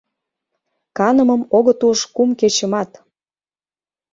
Канымым огыт уж кум кечымат.